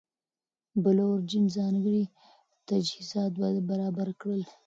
بلو اوریجن ځانګړي تجهیزات برابر کړل.